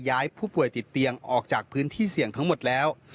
ย้ายผู้ป่วยติดเตียงออกจากพื้นที่เสี่ยงทั้งหมดแล้ว